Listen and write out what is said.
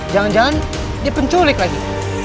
jangan jangan di penculik lagi